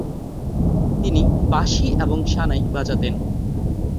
তিনি বাঁশি এবং সানাই বাজাতেন।